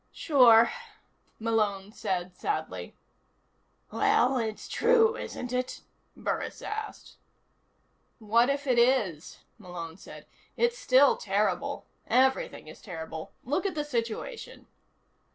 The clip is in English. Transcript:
"Sure," Malone said sadly. "Well, it's true, isn't it?" Burris asked. "What if it is?" Malone said. "It's still terrible. Everything is terrible. Look at the situation."